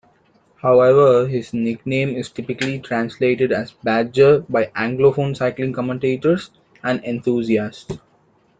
However, his nickname is typically translated as "badger" by Anglophone cycling commentators and enthusiasts.